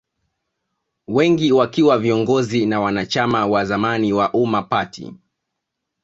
Wengi wakiwa viongozi na wanachama wa zamani wa Umma Party